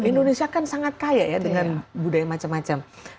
indonesia kan sangat kaya ya dengan budaya macam macam